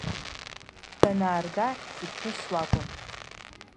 Данаарга, иԥҳәыс лакәын.